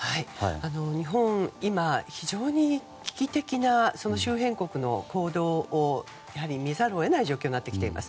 日本、今非常に危機的な周辺国の行動をやはり見ざるを得ない状況となってきています。